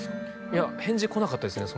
いや返事来なかったですね